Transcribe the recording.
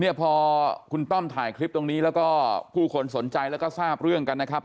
เนี่ยพอคุณต้อมถ่ายคลิปตรงนี้แล้วก็ผู้คนสนใจแล้วก็ทราบเรื่องกันนะครับ